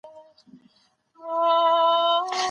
په خپلو پښو ودریږئ.